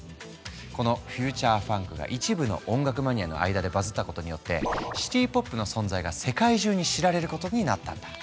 このフューチャーファンクが一部の音楽マニアの間でバズったことによってシティ・ポップの存在が世界中に知られることになったんだ。